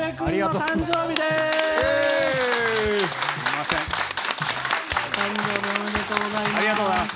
誕生日おめでとうございます。